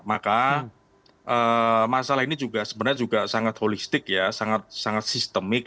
maka masalah ini juga sebenarnya juga sangat holistik ya sangat sangat sistemik